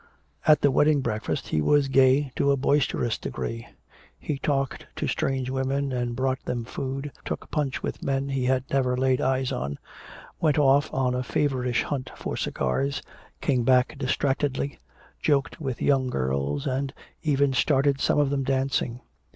At the wedding breakfast he was gay to a boisterous degree. He talked to strange women and brought them food, took punch with men he had never laid eyes on, went off on a feverish hunt for cigars, came back distractedly, joked with young girls and even started some of them dancing.